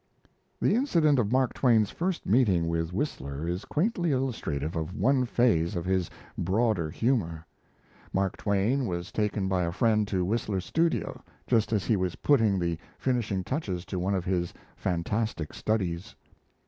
The incident of Mark Twain's first meeting with Whistler is quaintly illustrative of one phase of his broader humour. Mark Twain was taken by a friend to Whistler's studio, just as he was putting the finishing touches to one of his fantastic studies.